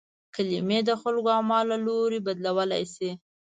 کلمې د خلکو اعمالو لوری بدلولای شي.